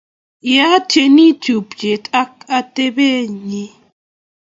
Ye atinye teputyet ake atebenin